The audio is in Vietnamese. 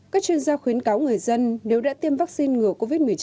các chuyên gia khuyến cáo người dân nếu đã tiêm vaccine ngừa covid một mươi chín